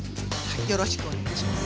よろしくお願いします。